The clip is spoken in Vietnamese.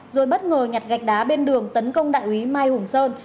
rồi bất ngờ nhặt gạch đá bên đường tấn công đại úy mai hùng sơn